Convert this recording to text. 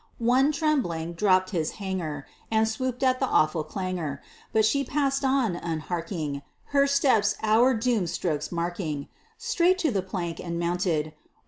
One, trembling, dropped his hanger, And swooned at the awful clangor; But she passed on, unharking, Her steps our doom strokes marking, Straight to the plank, and mounted.